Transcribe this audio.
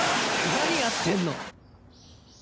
何やってんの？